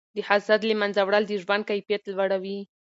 د حسد له منځه وړل د ژوند کیفیت لوړوي.